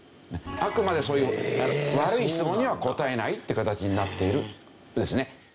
あくまでそういう悪い質問には答えないっていう形になっているんですね。